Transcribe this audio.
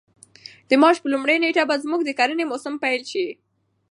د مارچ په لومړۍ نېټه به زموږ د کرنې موسم پیل شي.